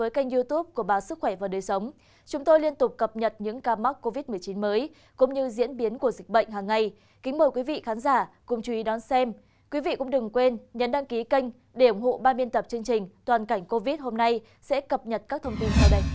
các bạn hãy đăng ký kênh để ủng hộ kênh của chúng mình nhé